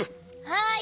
はい。